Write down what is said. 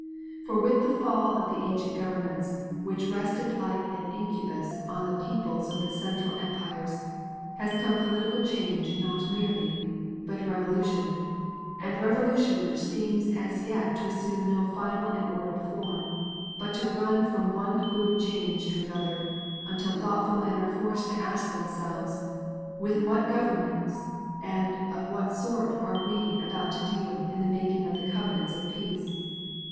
For with the fall of the ancient governments, which rested like an incubus on the peoples of the Central Empires, has come political change not merely, but revolution; and revolution which seems as yet to assume no final and ordered form, but to run from one fluid change to another, until thoughtful men are forced to ask themselves, with what governments and of what sort are we about to deal in the making of the covenants of peace?